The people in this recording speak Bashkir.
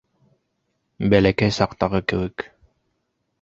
Бәләкәй саҡтағы кеүек.